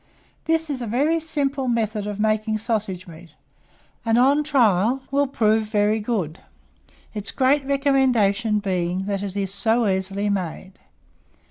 This is a very simple method of making sausage meat, and on trial will prove very good, its great recommendation being, that it is so easily made.